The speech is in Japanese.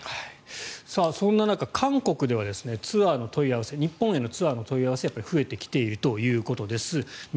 そんな中、韓国では日本へのツアーの問い合わせ増えてきているということです。